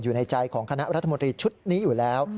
อยู่ในใจของคณะรัฐมนตรีชุดนี้อยู่แล้ว